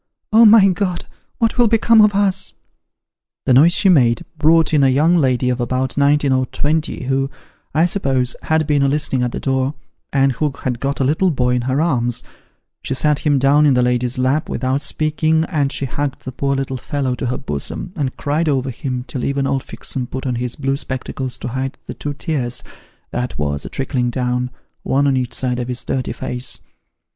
' Oh, my God ! what will become ot us ?' The noise she made, brought in a young lady of about nineteen or twenty, who, I suppose, had been a listening at the door, and who had got a little boy in her arms : she sat him down in the lady's lap, without speaking, and she hugged the poor little fellow to her bosom, and cried over him, till even old Fixem put on his blue spectacles to hide the two tears, that was a trickling down, one on each side of his dirty face.